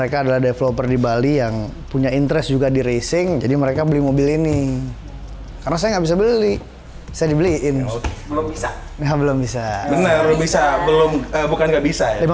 karena saya nggak bisa beli saya dibeliin belum bisa belum bisa belum bisa belum bukan nggak bisa